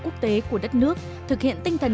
quốc tế của đất nước thực hiện tinh thần